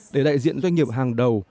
để đại diện doanh nghiệp hàng đầu